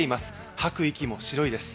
吐く息も白いです。